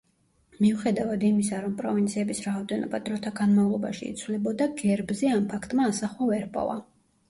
მიუხედავად იმისა, რომ პროვინციების რაოდენობა დროთა განმავლობაში იცვლებოდა, გერბზე ამ ფაქტმა ასახვა ვერ ჰპოვა.